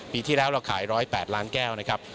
ปีที่แล้วเราขาย๑๐๘ล้านแก้วนะครับ